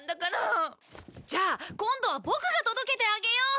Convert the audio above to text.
じゃあ今度はボクが届けてあげよう。